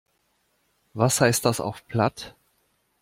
Was heißt das auf Platt?